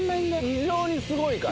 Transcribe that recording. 異常にすごいから。